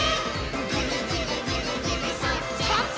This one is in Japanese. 「ぐるぐるぐるぐるそっちっち」